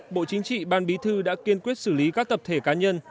bộ chính trị ban bí thư đã kiên quyết xử lý các tập thể cá nhân